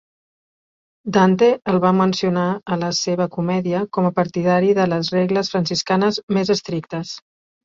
Dante el va mencionar en la seva "Comèdia", com a partidari de les regles franciscanes més estrictes.